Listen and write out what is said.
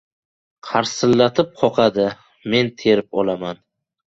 Qarsillatib qoqadi. Men terib olaman.